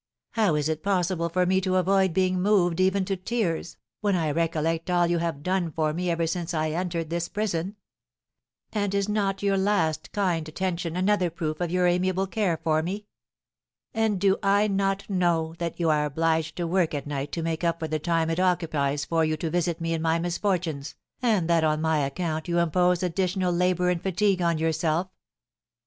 "How is it possible for me to avoid being moved even to tears, when I recollect all you have done for me ever since I entered this prison? And is not your last kind attention another proof of your amiable care for me? And do I not know that you are obliged to work at night to make up for the time it occupies for you to visit me in my misfortunes, and that on my account you impose additional labour and fatigue on yourself?"